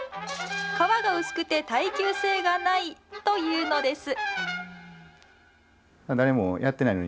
皮が薄くて耐久性がないというのです。